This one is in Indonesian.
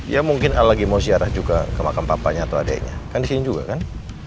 ya mungkin al lagi mau siarah juga ke makam papanya atau adeknya kan disini juga kan